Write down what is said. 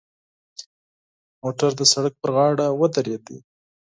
موټر د سړک پر غاړه ودرید.